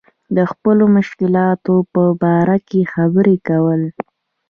د خپلو مشکلاتو په باره کې خبرې کول.